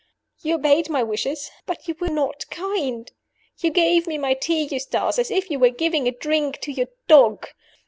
"You obeyed my wishes, but you were not kind. You gave me my tea, Eustace, as if you were giving a drink to your dog.